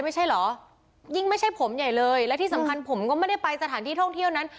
ไม่ใช่เหรอยิ่งไม่ใช่ผมใหญ่เลยและที่สำคัญผมก็ไม่ได้ไปสถานที่ท่องเที่ยวนั้น